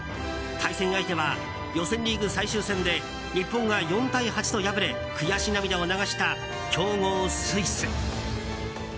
対戦相手は、予選リーグ最終戦で日本が４対８と敗れ悔し涙を流した強豪スイス。